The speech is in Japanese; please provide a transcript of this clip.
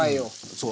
そう。